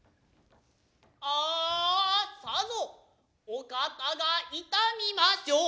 アアさぞ御肩が痛みましょう。